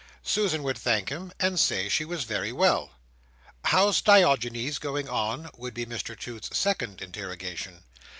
Susan would thank him, and say she was very well. "How's Diogenes going on?" would be Mr Toots's second interrogation.